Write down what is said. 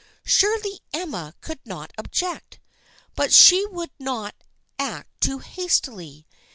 Surely Emma could not object ! But she would not act too hastily.